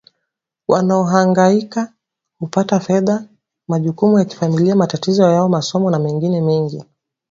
wanaohangaika kupata fedha majukumu ya kifamilia matatizo ya masomo na mengine mengi